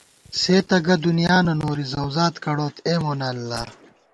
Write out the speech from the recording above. سے تہ گہ دنیانہ نوری، ذؤذات کڑوت اے مونہ اللہ